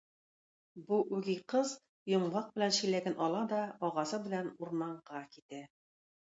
Бу үги кыз йомгак белән чиләген ала да агасы белән урманга китә.